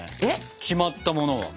決まったものは。